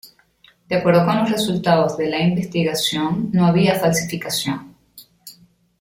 De acuerdo con los resultados de la investigación, no había falsificación.